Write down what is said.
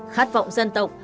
khát vọng dân tộc